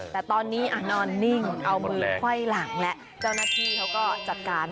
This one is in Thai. แต่ตอนนี้นอนนิ่งเอามือไขว้หลังแล้วเจ้าหน้าที่เขาก็จัดการ